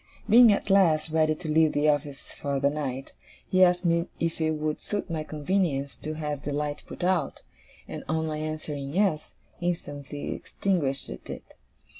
Being, at last, ready to leave the office for the night, he asked me if it would suit my convenience to have the light put out; and on my answering 'Yes,' instantly extinguished it.